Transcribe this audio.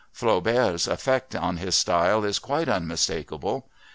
Flaubert's effect on his style is quite unmistakable.